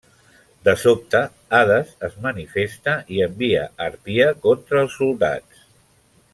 De sobte, Hades es manifesta i envia Harpia contra els soldats.